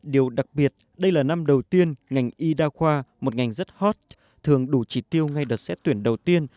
điều đặc biệt đây là năm đầu tiên ngành y đa khoa một ngành rất hot thường đủ trị tiêu ngay đợt xét tuyển đầu tiên